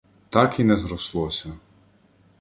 Так і не зрослося.